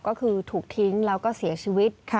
ก็คือถูกทิ้งแล้วก็เสียชีวิต